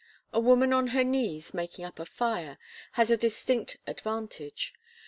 A woman on her knees, making up a fire, has a distinct advantage.